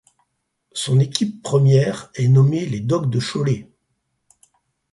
Son équipe première est nommée les Dogs de Cholet.